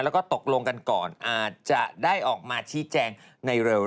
แล้วก็ตกลงกันก่อนอาจจะได้ออกมาชี้แจงในเร็ว